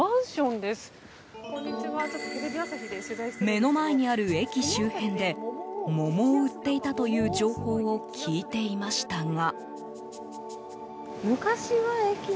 目の前にある駅周辺で桃を売っていたという情報を聞いていましたが。